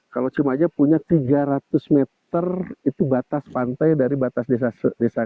kalau cimaja punya tiga ratus meter itu batas pantai dari batas desa